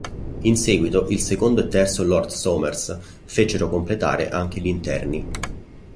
In seguito, il secondo e terzo Lord Somers fecero completare anche gli interni.